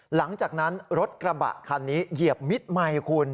หลังจากนั้นรถกระบะคันนี้เหยียบมิดไมค์คุณ